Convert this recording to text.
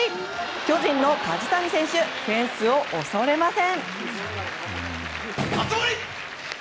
巨人の梶谷選手フェンスを恐れません。